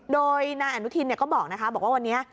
โดยนายอนุทินก็บอกว่าวันนี้